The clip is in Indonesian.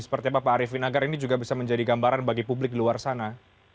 seperti apa pak arifin agar ini juga bisa menjadi gambaran bagi publik di luar sana